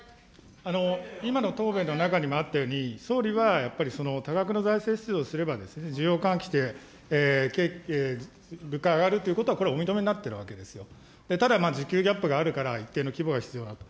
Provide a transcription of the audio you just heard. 今の答弁の中にもあったように、総理はやっぱり多額の財政出動をすれば、需要を喚起して、物価が上がるということは、これはお認めになっているわけですよ、ただ、需給ギャップがあるから一定の規模が必要だと。